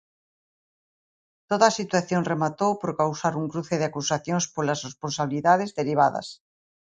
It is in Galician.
Toda a situación rematou por causar un cruce de acusacións polas responsabilidades derivadas.